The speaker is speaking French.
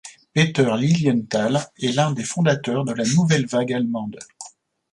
Peter Lilienthal est l’un des fondateurs de la Nouvelle Vague allemande.